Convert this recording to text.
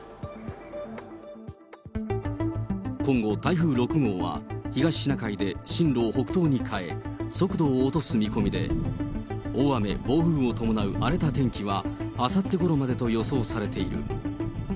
今後、台風６号は東シナ海で進路を北東に変え、速度を落とす見込みで、大雨、暴風を伴う荒れた天気はあさってごろまでと予想されている。